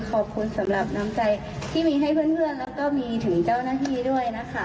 ขอบคุณสำหรับน้ำใจที่มีให้เพื่อนแล้วก็มีถึงเจ้าหน้าที่ด้วยนะคะ